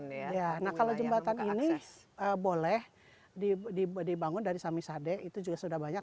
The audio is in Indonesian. nah kalau jembatan ini boleh dibangun dari samisade itu juga sudah banyak